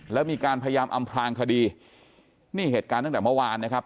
แล้วมีการพยายามอำพลางคดีนี่เหตุการณ์ตั้งแต่เมื่อวานนะครับ